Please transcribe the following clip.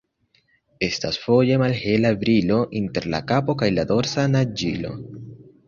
Estas foje malhela brilo inter la kapo kaj la dorsa naĝilo.